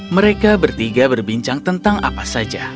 mereka bertiga berbincang tentang apa saja